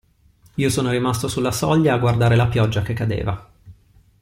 Io sono rimasto sulla soglia a guardare la pioggia che cadeva.